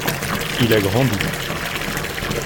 Il a grandi.